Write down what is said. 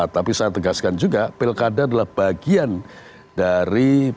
tapi saya tegaskan juga pilkada adalah bagian dari